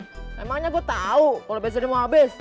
emangnya gue tau kalo bensinnya mau abis